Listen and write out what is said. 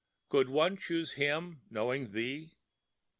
Could one choose him, knowing thee?